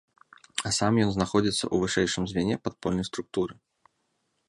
А сам ён знаходзіцца ў вышэйшым звяне падпольнай структуры.